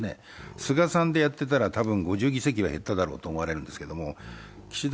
菅さんでやってたら多分５０議席は減ってたと思うんですけど岸田